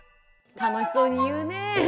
楽しそうに言うねえ。